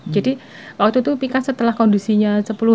jadi waktu itu pika setelah kondisinya sepuluh hari